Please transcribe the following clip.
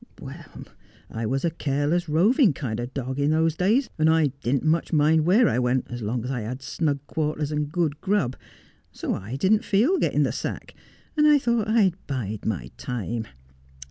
Well, I was a careless, roving kind of dog in those days, and I didn't much mind where I went as long as I had snug quarters and good grub ; so I didn't feel getting the sack, and I thought I'd bide my time.